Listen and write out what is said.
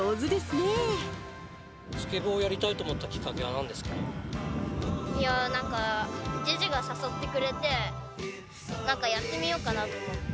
スケボーやりたいと思ったきいやー、なんか、じじが誘ってくれて、なんかやってみようかなと。